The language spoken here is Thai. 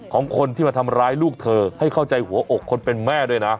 ของคนที่มาทำร้ายลูกเธอให้เข้าใจหัวอกคนเป็นแม่ด้วยนะ